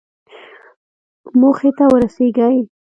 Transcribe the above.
موخې ته ورسېږئ